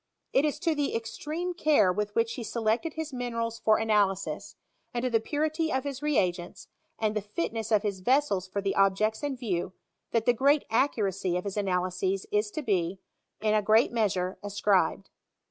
It is to the extreme care with which he selected his minerals for analysis, and to the purity of his reagents, and the fitness of his vessels for the objects in view, that the great accuracy of his ana lyses is to be, in a great measure, ascribed.